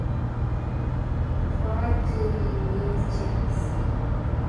Proud to be New Jersey!